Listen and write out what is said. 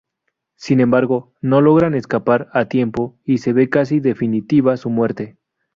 Sin embargo, no logran escapar a tiempo y se ve casi definitiva su muerte.